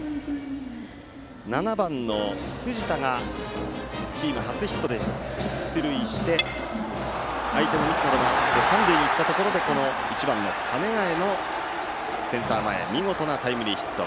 ７番の藤田がチーム初ヒットで出塁して相手のミスなどもあって三塁に行ったところで１番の鐘ヶ江のセンター前への見事なタイムリーヒット。